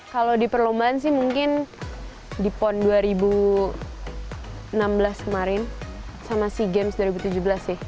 kalau di perlombaan sih mungkin di pon dua ribu enam belas kemarin sama sea games dua ribu tujuh belas sih